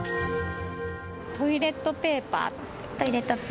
トイレットペーパー。